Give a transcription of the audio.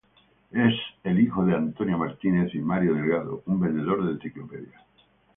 Es el hijo de Antonia Martínez y Mariano Delgado, un vendedor de enciclopedias.